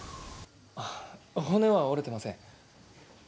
あぁ骨は折れてません。